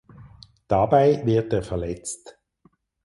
Dabei wird er verletzt.